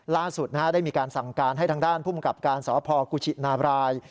ล่าสุดได้มีการสั่งการให้ทางด้านภูมิกับการสพกุชินาบราย